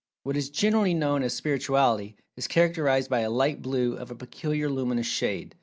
What is generally known as "Spirituality" is characterized by a Light Blue of a peculiarly luminous shade.